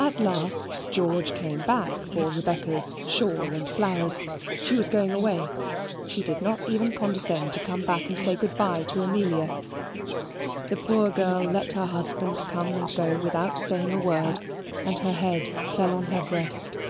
At last George came back for Rebecca's shawl and flowers. She was going away. She did not even condescend to come back and say good bye to Amelia. The poor girl let her husband come and go without saying a word, and her head fell on her breast.